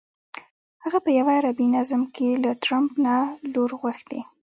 هغه په یوه عربي نظم کې له ټرمپ نه لور غوښتې.